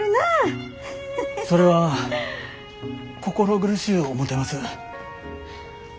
それは心苦しゅう思てます。